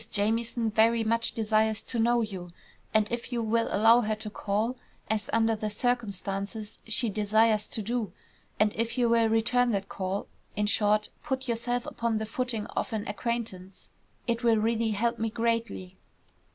Jamieson very much desires to know you, and if you will allow her to call, as under the circumstances she desires to do, and if you will return that call in short, put yourself upon the footing of an acquaintance it will really help me greatly."